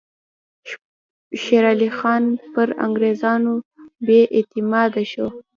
شېر علي خان پر انګریزانو بې اعتماده شو.